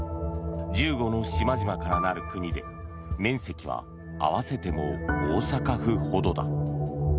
１５の島々から成る国で面積は合わせても大阪府ほどだ。